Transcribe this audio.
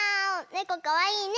ねこかわいいね！